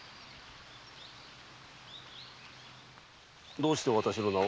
どうしてわたしの名を？